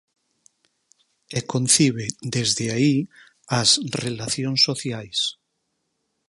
E concibe desde aí as relacións sociais.